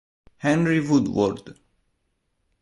Henry Woodward